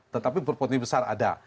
tetapi berpotensi besar ada